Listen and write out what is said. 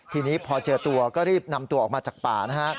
ทีนี้พอเจอตัวก็รีบนำตัวออกมาจากป่านะฮะ